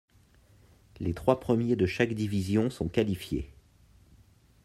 Les trois premiers de chaque division sont qualifiés.